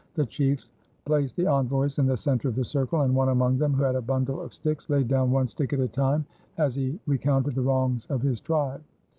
The chiefs placed the envoys in the center of the circle, and one among them, who had a bundle of sticks, laid down one stick at a time as he recounted the wrongs of his tribe.